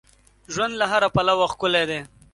ژوند له هر پلوه ښکلی دی.